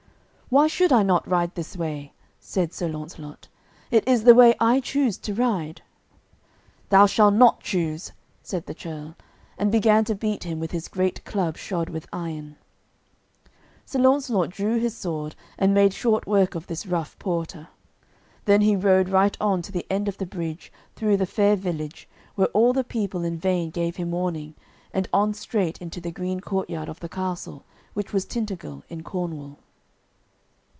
"Why should I not ride this way?" said Sir Launcelot; "it is the way I choose to ride." "Thou shall not choose," said the churl, and began to beat him with his great club shod with iron. Sir Launcelot drew his sword, and made short work of this rough porter. Then he rode right on to the end of the bridge, through the fair village, where all the people in vain gave him warning, and on straight into the green courtyard of the castle, which was Tintagil, in Cornwall.